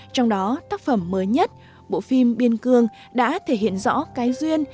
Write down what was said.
trong đó tác phẩm mới nhất bộ phim biên cương đã thể hiện rõ cái duyên